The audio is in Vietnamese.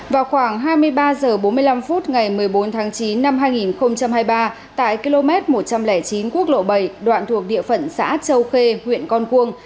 vào khoảng hai mươi ba h bốn mươi năm phút ngày một mươi bốn tháng chín năm hai nghìn hai mươi ba tại km một trăm linh chín quốc lộ bảy đoạn thuộc địa phận xã châu khê huyện con cuông